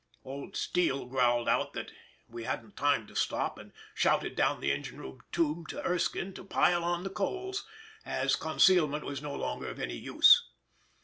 Old Steele growled out that we hadn't time to stop, and shouted down the engine room tube to Erskine to pile on the coals, as concealment was no longer of any use.